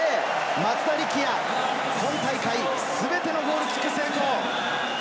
松田力也、今大会、全てのゴールキック成功。